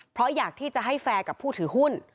เพราะอยากที่จะให้แฟร์กับผู้ถือหุ้น